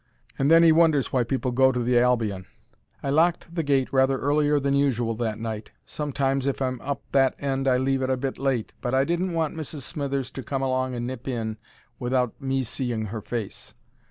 And then he wonders why people go to the Albion. I locked the gate rather earlier than usual that night. Sometimes if I'm up that end I leave it a bit late, but I didn't want Mrs. Smithers to come along and nip in without me seeing her face.